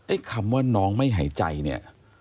คำว่าน้องไม่หายใจเนี่ย